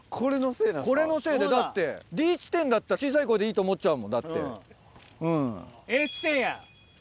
これのせいだよだってＤ地点だったら小さい声でいいと思っちゃうもんだって。